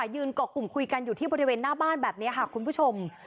เกาะกลุ่มคุยกันอยู่ที่บริเวณหน้าบ้านแบบนี้ค่ะคุณผู้ชม